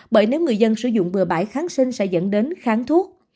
bởi nếu người dân sử dụng bừa bãi kháng sinh sẽ dẫn đến kháng thuốc